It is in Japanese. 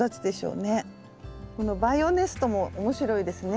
このバイオネストも面白いですね。